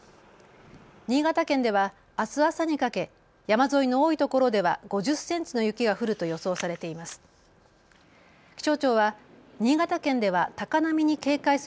新潟県ではあす朝にかけ山沿いの多いところでは５０センチの雪が降ると予想されています。